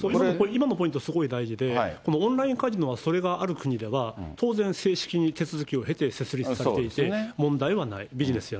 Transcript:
今のポイントすごい大事で、オンラインカジノ、それがある国では当然正式に手続きを経て設立されていて、問題はない、ビジネスで。